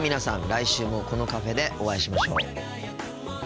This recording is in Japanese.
来週もこのカフェでお会いしましょう。